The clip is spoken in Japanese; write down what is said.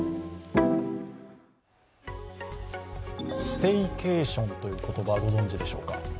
ステイケーションという言葉、ご存じでしょうか。